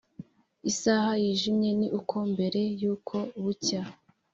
isaha yijimye ni uko mbere yuko bucya.